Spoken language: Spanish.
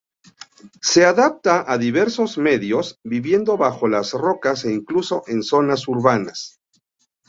Se adapta a diversos medios, viviendo bajo las rocas e incluso en zonas urbanas.